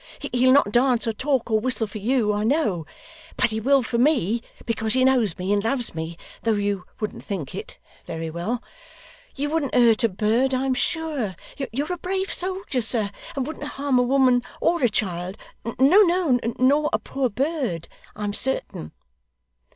He'll not dance, or talk, or whistle for you, I know; but he will for me, because he knows me and loves me though you wouldn't think it very well. You wouldn't hurt a bird, I'm sure. You're a brave soldier, sir, and wouldn't harm a woman or a child no, no, nor a poor bird, I'm certain.